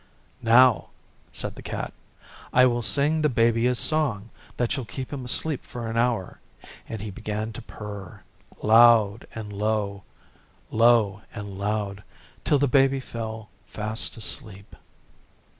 'Now,' said the Cat, 'I will sing the Baby a song that shall keep him asleep for an hour. And he began to purr, loud and low, low and loud, till the Baby fell fast asleep.